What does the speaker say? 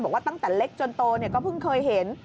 ตั้งแต่เล็กจนโตก็เพิ่งเคยเห็น